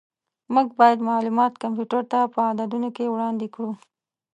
موږ باید معلومات کمپیوټر ته په عددونو کې وړاندې کړو.